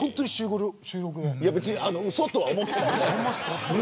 別にうそとは思っていないから。